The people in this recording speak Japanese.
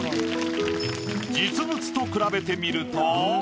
実物と比べてみると。